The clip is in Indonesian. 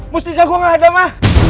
mustika gue gak ada ma